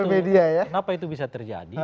kenapa itu bisa terjadi